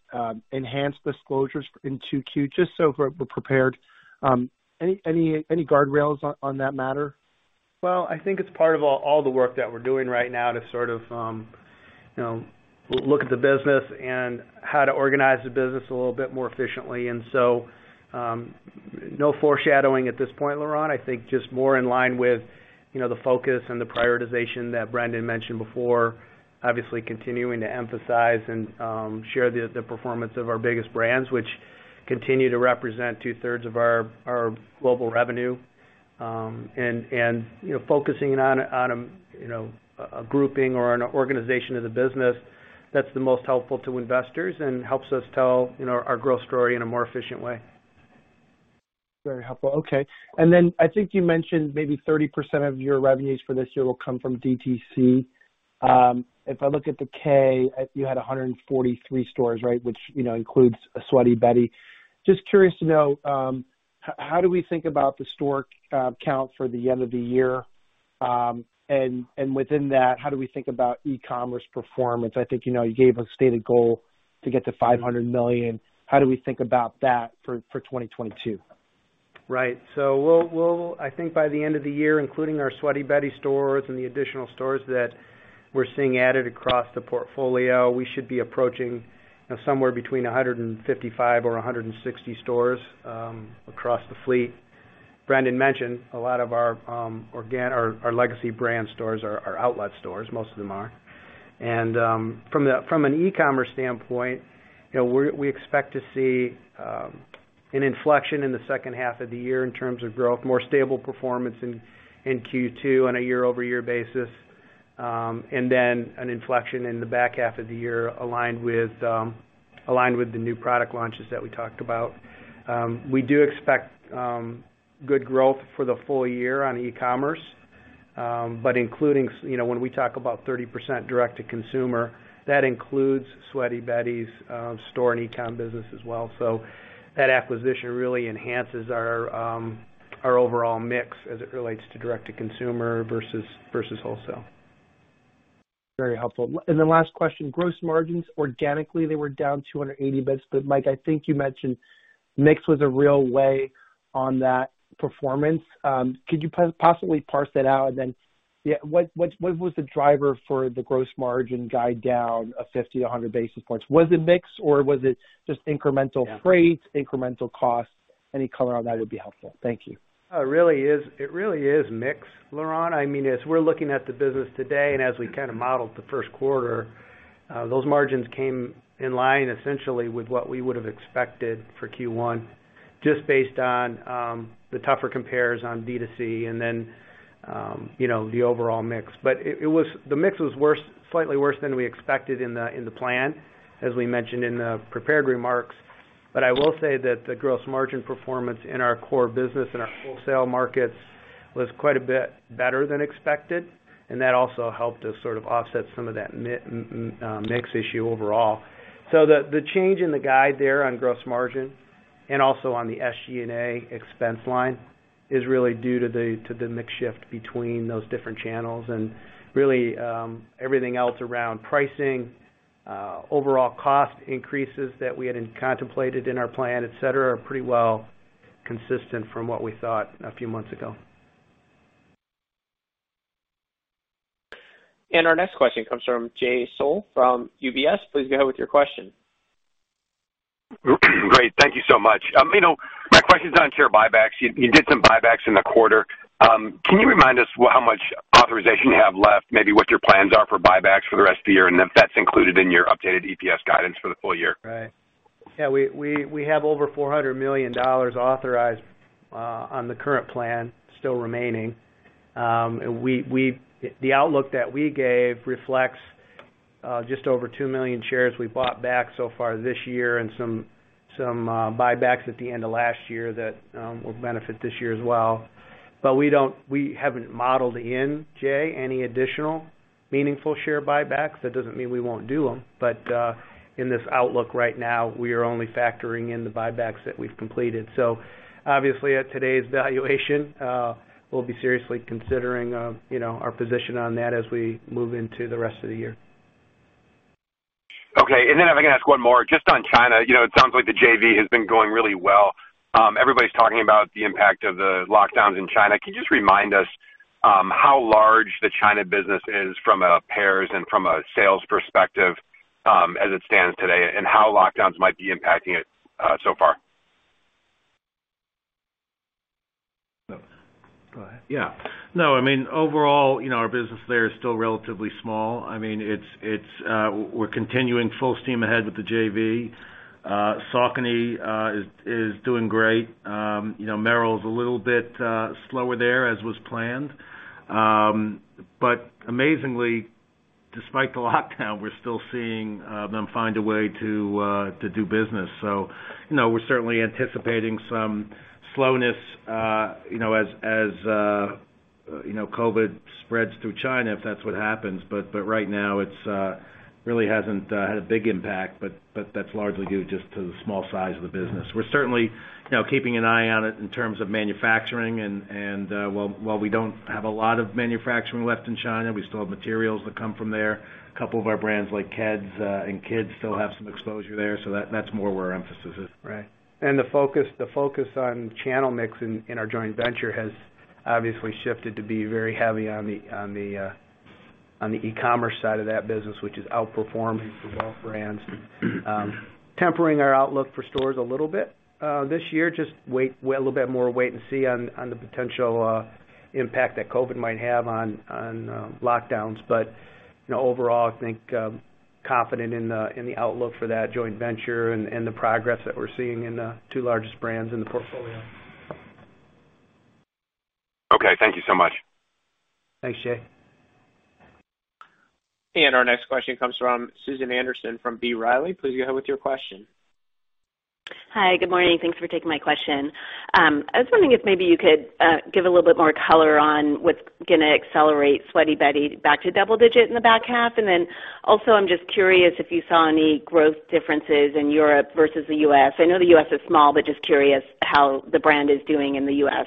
enhanced disclosures in Q2, just so we're prepared. Any guardrails on that matter? Well, I think it's part of all the work that we're doing right now to sort of, you know, look at the business and how to organize the business a little bit more efficiently. No foreshadowing at this point, Laurent. I think just more in line with, you know, the focus and the prioritization that Brendan mentioned before, obviously continuing to emphasize and share the performance of our biggest brands, which continue to represent two-thirds of our global revenue, and, you know, focusing on a grouping or an organization of the business that's the most helpful to investors and helps us tell, you know, our growth story in a more efficient way. Very helpful. Okay. Then I think you mentioned maybe 30% of your revenues for this year will come from DTC. If I look at the K, you had 143 stores, right? Which, you know, includes a Sweaty Betty. Just curious to know how do we think about the store count for the end of the year? And within that, how do we think about e-commerce performance? I think, you know, you gave a stated goal to get to $500 million. How do we think about that for 2022? Right. So we'll I think by the end of the year, including our Sweaty Betty stores and the additional stores that we're seeing added across the portfolio, we should be approaching somewhere between 155 or 160 stores across the fleet. Brendan mentioned a lot of our our legacy brand stores are outlet stores, most of them are. From an e-commerce standpoint, you know, we expect to see an inflection in the second half of the year in terms of growth, more stable performance in Q2 on a year-over-year basis, and then an inflection in the back half of the year aligned with the new product launches that we talked about. We do expect good growth for the full year on e-commerce, but including, you know, when we talk about 30% direct-to-consumer, that includes Sweaty Betty's store and e-com business as well. That acquisition really enhances our overall mix as it relates to direct-to-consumer versus wholesale. Very helpful. Last question, gross margins, organically, they were down 280 basis points. Mike, I think you mentioned mix was a real weighed on that performance. Could you possibly parse that out? What was the driver for the gross margin guidance down of 50-100 basis points? Was it mix, or was it just incremental? Yeah. Freight, incremental costs? Any color on that would be helpful. Thank you. It really is mix, Laurent. I mean, as we're looking at the business today and as we kind of modeled the first quarter, those margins came in line essentially with what we would have expected for Q1, just based on the tougher compares on D2C and then you know the overall mix. The mix was slightly worse than we expected in the plan, as we mentioned in the prepared remarks. But I will say that the gross margin performance in our core business and our wholesale markets was quite a bit better than expected, and that also helped us sort of offset some of that mix issue overall. The change in the guide there on gross margin and also on the SG&A expense line is really due to the mix shift between those different channels. Really, everything else around pricing, overall cost increases that we hadn't contemplated in our plan, et cetera, are pretty well consistent from what we thought a few months ago. Our next question comes from Jay Sole from UBS. Please go ahead with your question. Great. Thank you so much. You know, my question is on share buybacks. You did some buybacks in the quarter. Can you remind us how much authorization you have left, maybe what your plans are for buybacks for the rest of the year, and if that's included in your updated EPS guidance for the full year? Right. Yeah, we have over $400 million authorized on the current plan still remaining. The outlook that we gave reflects just over two million shares we bought back so far this year and some buybacks at the end of last year that will benefit this year as well. We haven't modeled in, Jay, any additional meaningful share buybacks. That doesn't mean we won't do them. In this outlook right now, we are only factoring in the buybacks that we've completed. So, obviously at today's valuation, we'll be seriously considering you know, our position on that as we move into the rest of the year. Okay. If I can ask one more, just on China, you know, it sounds like the JV has been going really well. Everybody's talking about the impact of the lockdowns in China. Can you just remind us, how large the China business is from a pairs and from a sales perspective, as it stands today, and how lockdowns might be impacting it, so far? No. Go ahead. Yeah. No, I mean, overall, you know, our business there is still relatively small. I mean, we're continuing full steam ahead with the JV. Saucony is doing great. You know, Merrell's a little bit slower there as was planned. Amazingly, despite the lockdown, we're still seeing them find a way to do business. You know, we're certainly anticipating some slowness, you know, as you know, COVID spreads through China, if that's what happens. Right now, it really hasn't had a big impact, but that's largely due just to the small size of the business. We're certainly, you know, keeping an eye on it in terms of manufacturing. While we don't have a lot of manufacturing left in China, we still have materials that come from there. A couple of our brands like Keds and kids still have some exposure there, so that's more where our emphasis is. Right. The focus on channel mix in our joint venture has obviously shifted to be very heavy on the e-commerce side of that business, which is outperforming for both brands. Tempering our outlook for stores a little bit this year, just wait and see on the potential impact that COVID might have on lockdowns. But, you know, overall, I think confident in the outlook for that joint venture and the progress that we're seeing in the two largest brands in the portfolio. Okay, thank you so much. Thanks, Jay. Our next question comes from Susan Anderson from B. Riley. Please go ahead with your question. Hi, good morning. Thanks for taking my question. I was wondering if maybe you could give a little bit more color on what's gonna accelerate Sweaty Betty back to double-digit in the back half. I'm just curious if you saw any growth differences in Europe versus the US. I know the US is small, but just curious how the brand is doing in the US.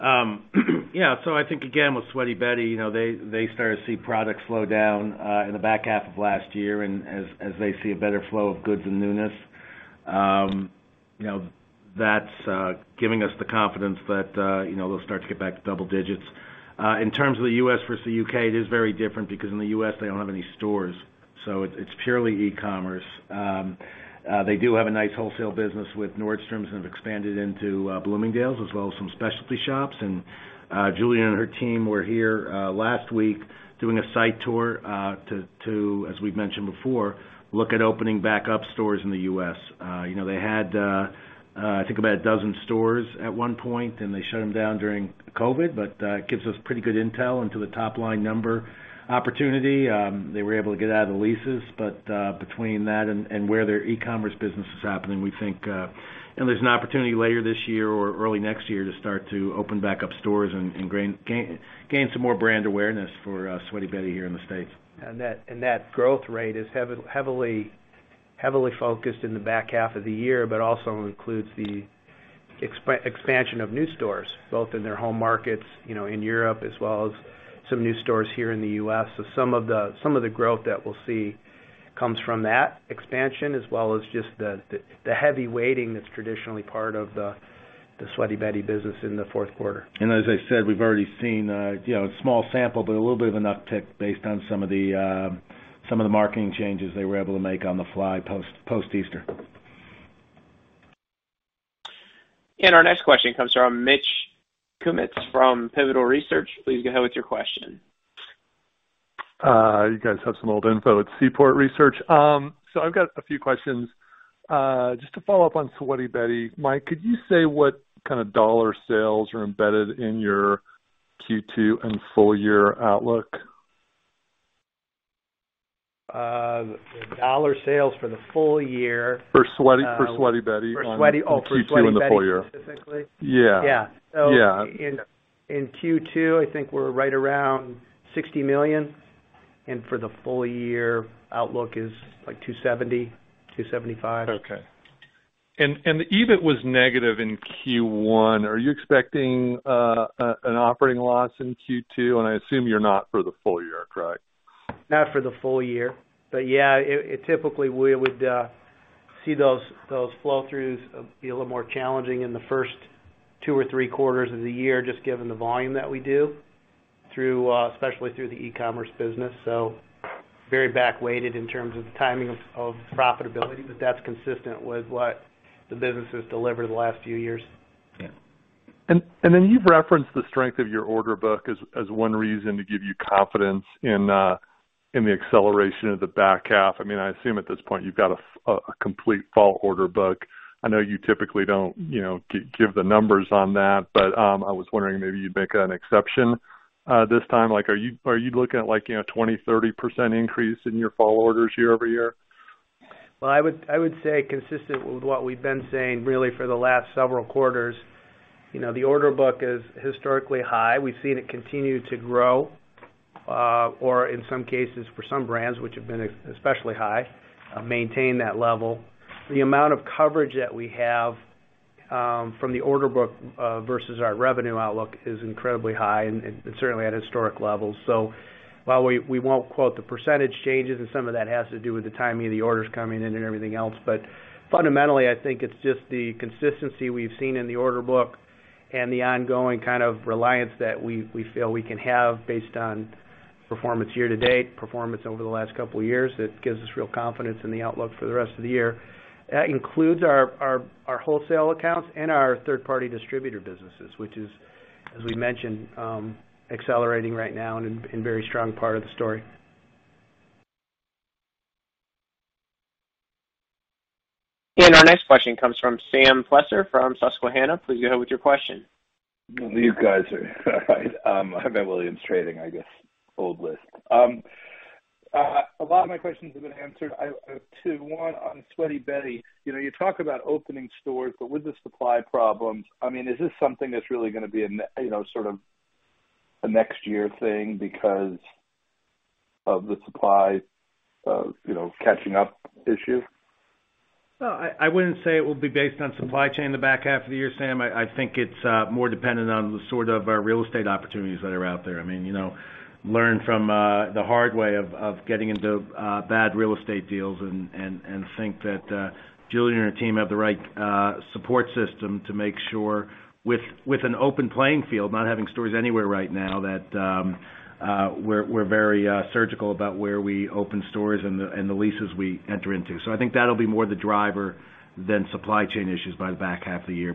Yeah. I think again, with Sweaty Betty, you know, they started to see product slow down in the back half of last year. As they see a better flow of goods and newness, you know, that's giving us the confidence that, you know, they'll start to get back to double digits. In terms of the US versus the UK, it is very different because in the US, they don't have any stores, so it's purely e-commerce. They do have a nice wholesale business with Nordstrom and have expanded into Bloomingdale's as well as some specialty shops. Julia and her team were here last week doing a site tour to, as we've mentioned before, look at opening back up stores in the US. You know, they had, I think, about a dozen stores at one point, then they shut them down during COVID, but it gives us pretty good intel into the top line number opportunity. They were able to get out of the leases, but between that and where their e-commerce business is happening, we think, you know, there's an opportunity later this year or early next year to start to open back up stores and gain some more brand awareness for Sweaty Betty here in the States. That growth rate is heavily focused in the back half of the year, but also includes the expansion of new stores, both in their home markets, you know, in Europe, as well as some new stores here in the US. Some of the growth that we'll see comes from that expansion as well as just the heavy weighting that's traditionally part of the Sweaty Betty business in the fourth quarter. As I said, we've already seen, you know, a small sample, but a little bit of an uptick based on some of the marketing changes they were able to make on the fly post-Easter. Our next question comes from Mitch Kummetz from Pivotal Research Group. Please go ahead with your question. You guys have some old info at Seaport Research Partners. I've got a few questions. Just to follow up on Sweaty Betty, Mike, could you say what kind of dollar sales are embedded in your Q2 and full year outlook? The dollar sales for the full year. For Sweaty Betty on- For Sweaty, oh, for Sweaty Betty specifically? Q2 and the full year. Yeah. Yeah. Yeah. In Q2, I think we're right around $60 million. For the full year, outlook is like $270-$275 million. Okay. The EBIT was negative in Q1. Are you expecting an operating loss in Q2? I assume you're not for the full year, correct? Not for the full year. Yeah, it typically we would see those flow throughs be a little more challenging in the first two or three quarters of the year, just given the volume that we do through especially through the e-commerce business. So, very back weighted in terms of the timing of profitability, but that's consistent with what the business has delivered the last few years. Yeah. You've referenced the strength of your order book as one reason to give you confidence in the acceleration of the back half. I mean, I assume at this point you've got a complete fall order book. I know you typically don't, you know, give the numbers on that, but I was wondering maybe you'd make an exception this time. Like, are you looking at like, you know, 20%-30% increase in your fall orders year over year? Well, I would say consistent with what we've been saying really for the last several quarters, you know, the order book is historically high. We've seen it continue to grow, or in some cases, for some brands which have been especially high, maintain that level. The amount of coverage that we have, from the order book, versus our revenue outlook is incredibly high and certainly at historic levels. While we won't quote the percentage changes, and some of that has to do with the timing of the orders coming in and everything else. But, fundamentally, I think it's just the consistency we've seen in the order book and the ongoing kind of reliance that we feel we can have based on performance year to date, performance over the last couple of years that gives us real confidence in the outlook for the rest of the year. That includes our wholesale accounts and our third party distributor businesses, which is, as we mentioned, accelerating right now and very strong part of the story. Our next question comes from Sam Poser from Susquehanna. Please go ahead with your question. You guys are fine. I'm an analyst at Williams Trading, I guess. A lot of my questions have been answered. I have two. One, on Sweaty Betty. You know, you talk about opening stores, but with the supply problems, I mean, is this something that's really gonna be, you know, sort of a next year thing because of the supply, you know, catching up issue? No, I wouldn't say it will be based on supply chain in the back half of the year, Sam. I think it's more dependent on the sort of real estate opportunities that are out there. I mean, you know, learn from the hard way of getting into bad real estate deals and think that Julia and her team have the right support system to make sure with an open playing field, not having stores anywhere right now that we're very surgical about where we open stores and the leases we enter into. So, I think that'll be more the driver than supply chain issues by the back half of the year.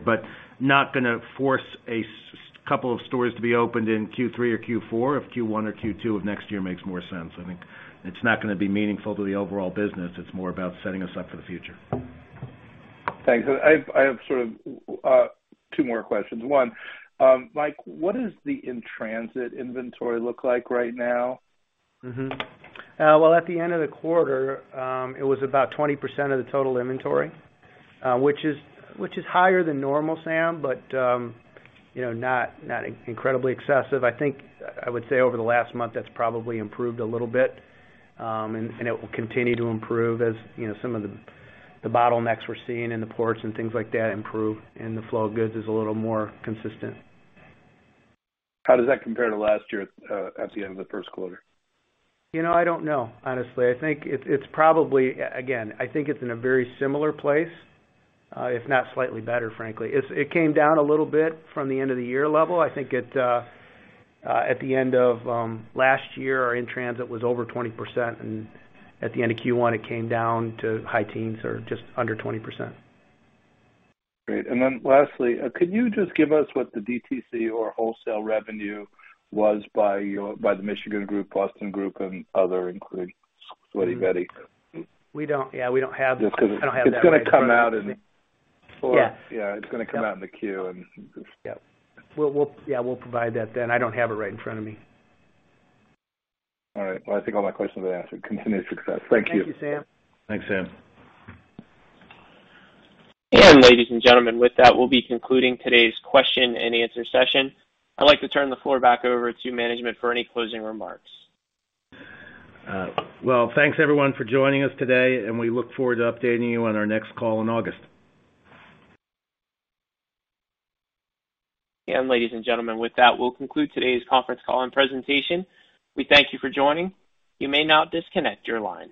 not gonna force a couple of stores to be opened in Q3 or Q4 if Q1 or Q2 of next year makes more sense. I think it's not gonna be meaningful to the overall business. It's more about setting us up for the future. Thanks. I have sort of two more questions. One, Mike, what is the in-transit inventory look like right now? Well, at the end of the quarter, it was about 20% of the total inventory, which is higher than normal, Sam, but you know, not incredibly excessive. I think I would say over the last month, that's probably improved a little bit. It will continue to improve as you know, some of the bottlenecks we're seeing in the ports and things like that improve and the flow of goods is a little more consistent. How does that compare to last year at the end of the first quarter? You know, I don't know, honestly. I think it's probably, again, I think it's in a very similar place, if not slightly better, frankly. It came down a little bit from the end of the year level. I think at the end of last year, our in-transit was over 20%, and at the end of Q1, it came down to high teens or just under 20%. Great. Lastly, could you just give us what the DTC or wholesale revenue was by the Michigan Group, Boston Group and other, including Sweaty Betty? Yeah, we don't have that. I don't have that right in front of me. It's gonna come out in the fourth- Yeah. Yeah, it's gonna come out in the Q1 and. Yep. We'll provide that then. I don't have it right in front of me. All right. Well, I think all my questions have been answered. Continued success. Thank you. Thank you, Sam. Thanks, Sam. Ladies and gentlemen, with that, we'll be concluding today's question and answer session. I'd like to turn the floor back over to management for any closing remarks. Well, thanks, everyone, for joining us today, and we look forward to updating you on our next call in August. Ladies and gentlemen, with that, we'll conclude today's conference call and presentation. We thank you for joining. You may now disconnect your lines.